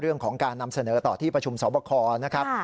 เรื่องของการนำเสนอต่อที่ประชุมสอบคอนะครับ